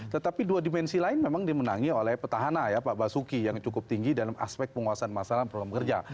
tetapi dua dimensi lain memang dimenangi oleh petahana ya pak basuki yang cukup tinggi dalam aspek penguasaan masalah program kerja